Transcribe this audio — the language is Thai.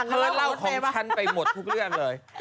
เธอเล่าของฉันไปหมดทุกเรื่องเลย